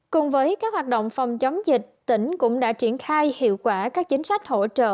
cùng với các hoạt động phòng chống dịch tỉnh cũng đã triển khai hiệu quả các chính sách hỗ trợ